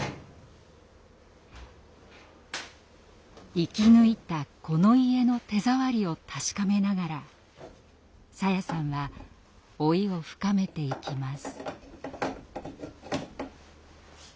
生き抜いたこの家の手触りを確かめながらさやさんは老いを深めていきます。